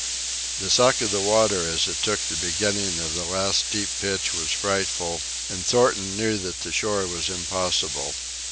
The suck of the water as it took the beginning of the last steep pitch was frightful, and Thornton knew that the shore was impossible.